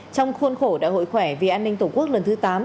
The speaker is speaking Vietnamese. trong khuôn khổ đại hội khỏe vì an ninh tổ quốc lần thứ tám